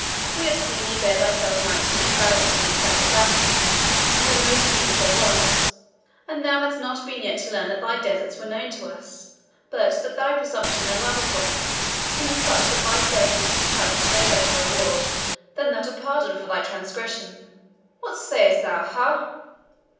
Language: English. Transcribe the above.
We have seen thee bear thyself knightly and valiantly in press of battle, when most need there was; and thou hadst not been yet to learn that thy deserts were known to us, but that thy presumption in other points has been such that thy services can challenge no better reward than that of pardon for thy transgression. What sayest thou ha?"